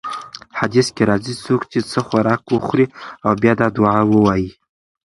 حديث کي راځي: څوک چې څه خوراک وخوري او بيا دا دعاء ووايي: